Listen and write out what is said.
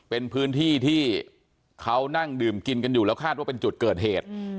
เป็นพื้นที่ที่เขานั่งดื่มกินกันอยู่แล้วคาดว่าเป็นจุดเกิดเหตุ